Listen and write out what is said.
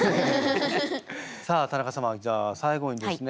さあ田中様じゃあ最後にですね